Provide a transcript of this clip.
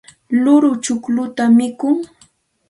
luuru chuqlluta mikun.